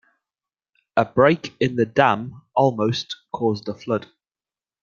A break in the dam almost caused a flood.